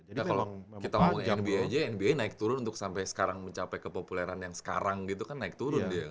kita kalau kita ngomong nba aja nba naik turun untuk sampai sekarang mencapai kepopuleran yang sekarang gitu kan naik turun dia